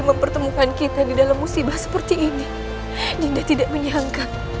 kakanda dinda sangat merindukan kakanda